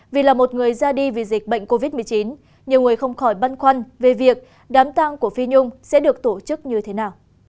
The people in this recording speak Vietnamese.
vì là một người ra đi vì dịch bệnh covid một mươi chín nhiều người không khỏi băn khoăn về việc đám tăng của phi nhung sẽ được tổ chức như thế nào